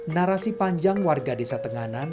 narasi panjang warga desa tenganan